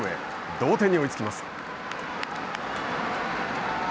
同点に追いつきます。